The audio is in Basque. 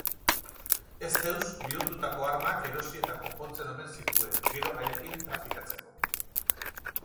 Ezdeus bihurtutako armak erosi eta konpontzen omen zituen, gero haiekin trafikatzeko.